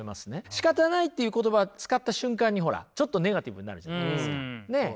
しかたないという言葉使った瞬間にほらちょっとネガティブになるじゃないですか。ね。